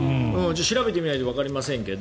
調べてみないとわかりませんが。